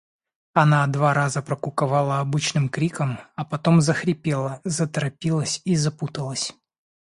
Она два раза прокуковала обычным криком, а потом захрипела, заторопилась и запуталась.